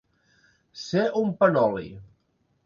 Ser un panoli.